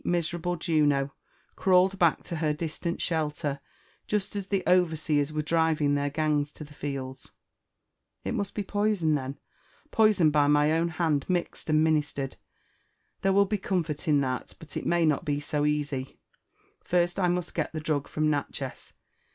miserable Juno crawled back to her distant shelter just as the overseers were driving their gangs to the fields. *' It must be poison then, — poison by my own hand mixed and mi nistered. There will be comfort in that, but it may not bo so easy,*— first, I must get the drug from Natchez.